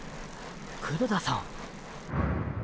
黒田さん。